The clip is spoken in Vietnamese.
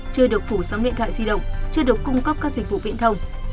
chưa được phủ sóng điện thoại di động chưa được cung cấp các dịch vụ viễn thông